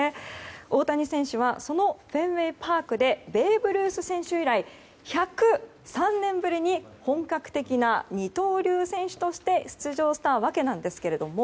大谷選手はそのフェンウェイパークでベーブ・ルース以来１０３年ぶりに本格的な二刀流選手として出場した訳なんですが。